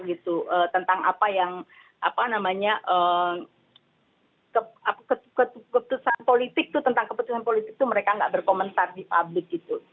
tentu sih dia tidak akan berkomentar gitu tentang apa yang apa namanya keputusan politik itu mereka nggak berkomentar di publik gitu